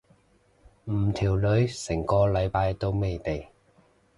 唔條女成個禮拜都未嚟。